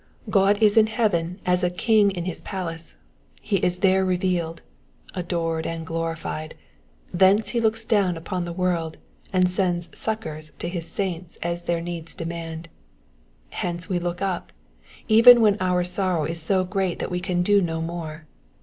God is in heaven as a king in his palace ; he is there revealed, adored, and glorified : thence he looks down on the world and sends succours to his saints as their needs demand ; hence we look up, even when our sorrow is so great that we can do no more.